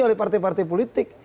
oleh partai partai politik